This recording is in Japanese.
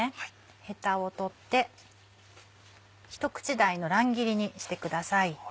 ヘタを取って一口大の乱切りにしてください。